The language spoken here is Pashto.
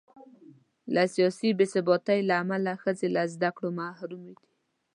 له سیاسي بې ثباتۍ امله ښځې له زده کړو محرومې دي.